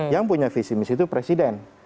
yang punya visi misi itu presiden